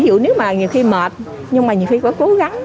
ví dụ nếu mà nhiều khi mệt nhưng mà nhiều khi có cố gắng